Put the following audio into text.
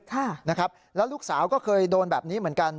ค่ะนะครับแล้วลูกสาวก็เคยโดนแบบนี้เหมือนกัน